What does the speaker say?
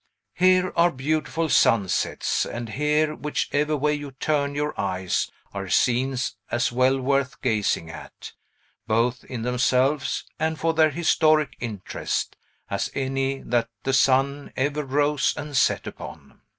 Here are beautiful sunsets; and here, whichever way you turn your eyes, are scenes as well worth gazing at, both in themselves and for their historic interest, as any that the sun ever rose and set upon.